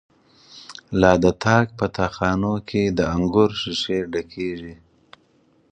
لا د تاک په تا خانو کی، د انگور ښیښی ډکیږی